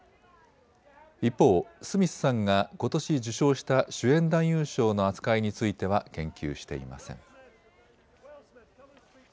一方、スミスさんがことし受賞した主演男優賞の扱いについては言及していません。